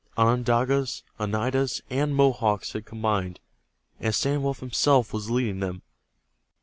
Onondagas, Oneidas and Mohawks had combined, and Standing Wolf himself was leading them.